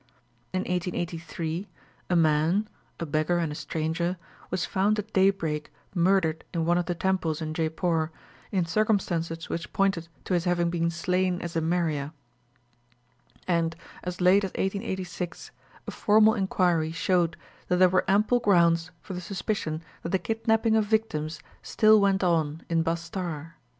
In 1883, a man (a beggar and a stranger) was found at daybreak murdered in one of the temples in Jeypore in circumstances which pointed to his having been slain as a meriah; and, as late as 1886, a formal enquiry showed that there were ample grounds for the suspicion that the kidnapping of victims still went on in Bastar."